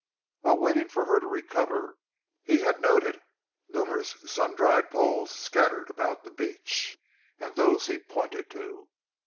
Whilst waiting for her to recover he had noted numerous sun dried poles scattered about the beach, and those he pointed to.